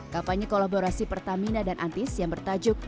kampanye kolaborasi pertamina dan antis yang bertajuk